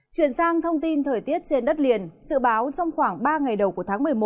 chuyển sang thông tin thời tiết trên đất liền dự báo trong khoảng ba ngày đầu của tháng một mươi một